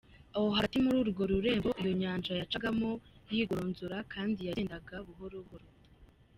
Aho hagati muri urwo rurembo, iyo nyanja yacagamo yigoronzora kandi yagendaga buhoro buhoro.